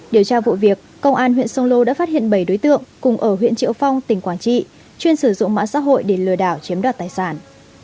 điều tra vụ việc công an huyện sông lô đã phát hiện bảy đối tượng cùng ở huyện triệu phong tỉnh quảng trị chuyên sử dụng mạng xã hội để lừa đảo chiếm đoạt tài sản